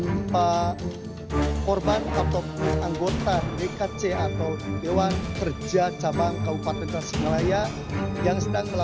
ini gua setuju sama temannya